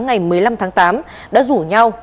ngày một mươi năm tháng tám đã rủ nhau